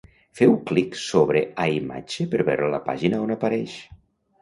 Feu clic sobre a imatge per veure la pàgina on apareix.